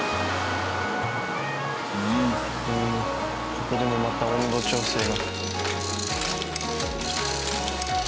ここでもまた温度調整が。